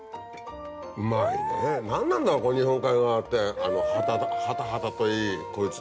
うまいね何なんだろう日本海側ってハタハタといいこいつといい。